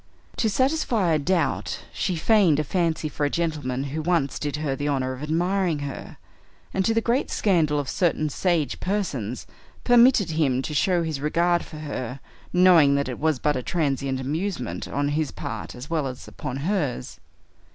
To satisfy a doubt, she feigned a fancy for a gentleman who once did her the honor of admiring her, and, to the great scandal of certain sage persons, permitted him to show his regard for her, knowing that it was but a transient amusement on his part as well as upon hers.